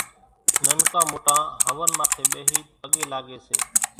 ننڪا موٽان هونَ ماٿيَ ٻيهين پڳين لاڳيَ سي۔